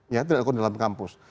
ya itu dilakukan dalam kampus